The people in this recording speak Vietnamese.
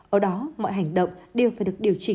ở đó mọi hành động đều phải được điều trị